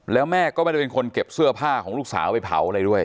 แล้วแม่ก็ไม่ได้เป็นคนเก็บเสื้อผ้าของลูกสาวไปเผาอะไรด้วย